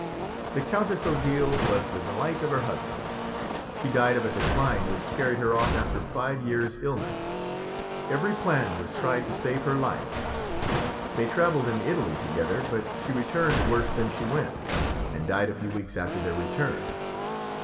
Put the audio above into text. The Countess Odile was the delight of her husband. She died of a decline which carried her off after five years' illness. Every plan was tried to save her life. They travelled in Italy together but she returned worse than she went, and died a few weeks after their return.